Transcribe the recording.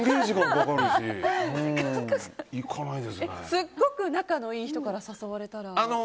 すごく仲のいい人から誘われたら？